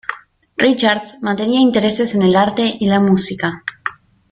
Richards mantenía intereses en el arte y la música.